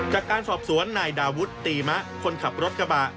จากการสอบสวนนายดาวุฒิตีมะคนขับรถกระบะ